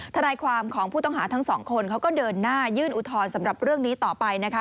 ทนายความของผู้ต้องหาทั้งสองคนเขาก็เดินหน้ายื่นอุทธรณ์สำหรับเรื่องนี้ต่อไปนะคะ